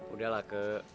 udah lah ke